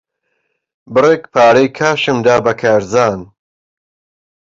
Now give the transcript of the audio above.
بڕێک پارەی کاشم دا بە کارزان.